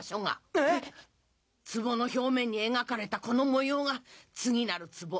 えっ？壺の表面に描かれたこの模様が次なる壺